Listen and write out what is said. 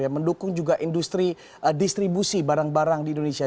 mendukung juga industri distribusi barang barang di indonesia